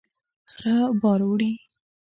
خره بار وړي